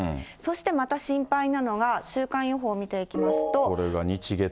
そしてまた心配なのが、週間予報見ていきますと。